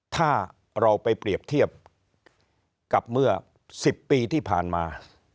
ถ้าเราไปเปรียบเทียบกับเมื่อ๑๐ปีที่ผ่านมา